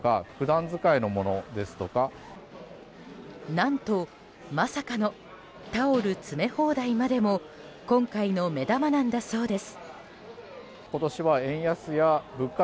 何とまさかのタオル詰め放題までも今回の目玉なんだそうです。